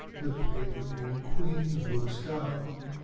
The pale Moon Queen looks down.